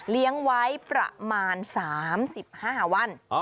เลี้ยงไว้ประมาณ๓๕วัน